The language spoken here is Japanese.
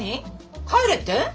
帰れって！？